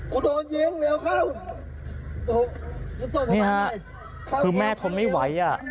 โดนยิงเดี๋ยวเข้านี่ฮะคือแม่ทนไม่ไหวอ่ะ